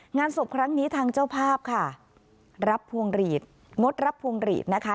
งานศพครั้งนี้ทางเจ้าภาพค่ะรับพวงหลีดงดรับพวงหลีดนะคะ